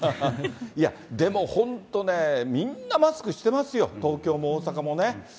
いや、でも、本当ね、みんな、マスクしてますよ、東京も大阪もね。